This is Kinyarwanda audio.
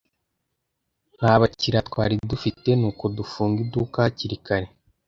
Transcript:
Nta bakiriya twari dufite, nuko dufunga iduka hakiri kare.